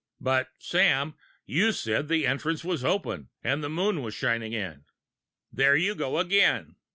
"But, Sam, you said the entrance was open, and the moon shining in." "There you go again!